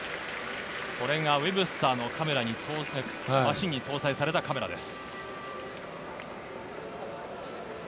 ウェブスターのマシンに搭載されたカメラです。